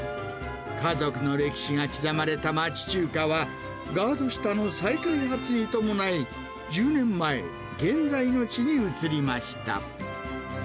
家族の歴史が刻まれた町中華は、ガード下の再開発に伴い、１０年前、現在の地に移りました。